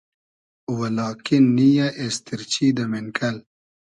و لاکین نییۂ اېستیرچی دۂ مېنکئل